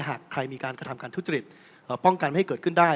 หากใครมีการกระทำการทุจริตป้องกันไม่ให้เกิดขึ้นได้